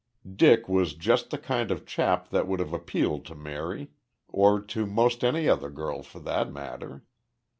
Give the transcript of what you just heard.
"Dick was just the kind of chap that would have appealed to Mary, or to 'most any other girl, for that matter.